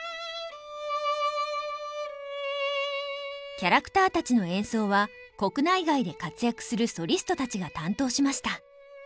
キャラクターたちの演奏は国内外で活躍するソリストたちが担当しました。